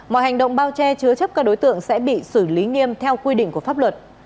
mọi hành động bao che chứa chấp các đối tượng sẽ bị xử lý nghiêm theo quy định của pháp luật